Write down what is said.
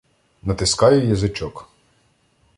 Натискаю язичок.